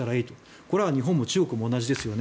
これは日本も中国も同じですよね